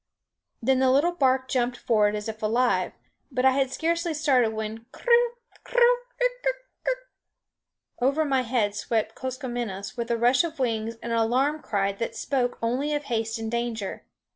Then the little bark jumped forward as if alive. But I had scarcely started when klrrrr! klrrr! ik ik ik! Over my head swept Koskomenos with a rush of wings and an alarm cry that spoke only of haste and danger.